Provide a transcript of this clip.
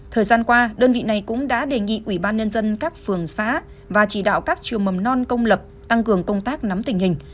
thời gian qua đơn vị này cũng đã đề nghị ủy ban nhân dân các phường xã và chỉ đạo các trường mầm non công lập tăng cường công tác nắm tình hình